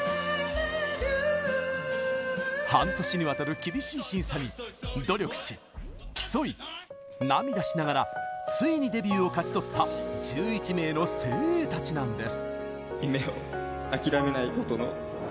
半年にわたる厳しい審査に努力し、競い、涙しながらついにデビューを勝ち取った１１名の精鋭たちなんです。